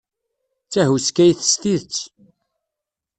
D tahuskayt s tidet.